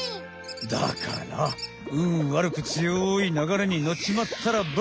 だからうんわるくつよい流れにのっちまったらば。